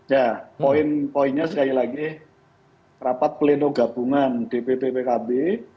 ya poin poinnya sekali lagi rapat pleno gabungan dpp pkb